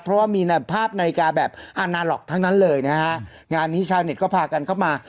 เพราะว่ามีภาพนาฬิกาแบบอานาล็อกทั้งนั้นเลยนะฮะงานนี้ชาวเน็ตก็พากันเข้ามา